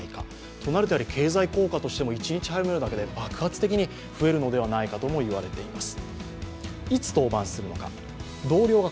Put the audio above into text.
となると経済効果も１日早いだけで爆発的に増えるのではないかと言われています。